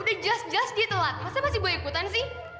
udah jelas jelas dia telat masa masih boleh ikutan sih